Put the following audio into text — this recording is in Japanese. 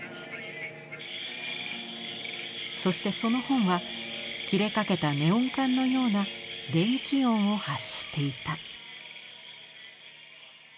そしてその本は切れかけたネオン管のような電気音を発していた」。